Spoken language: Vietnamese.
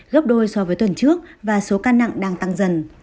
gấp đôi so với tuần trước và số ca nặng đang tăng dần